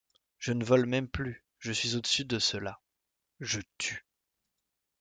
Je ne vole même plus, je suis au-dessus de cela, je tue.